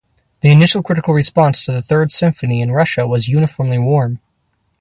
The initial critical response to the Third Symphony in Russia was uniformly warm.